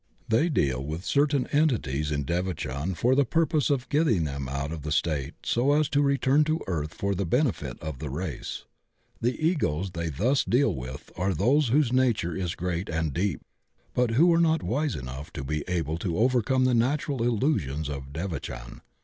They deal with certain entities in devachan for the puq)ose of getting them out of the state so as to re turn to earUi for the benefit of the race. The Egos they thus deal with are those whose nature is great and deep but who are not wise enough to be able to overcome the natural illusions of devachan.